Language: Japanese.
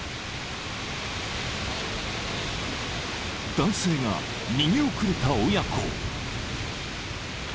［男性が逃げ遅れた親子を］